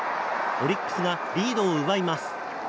オリックスがリードを奪います。